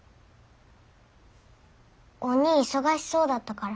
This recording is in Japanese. おにぃ忙しそうだったから。